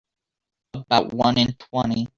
About one in twenty.